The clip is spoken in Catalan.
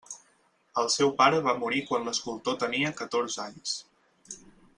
El seu pare va morir quan l'escultor tenia catorze anys.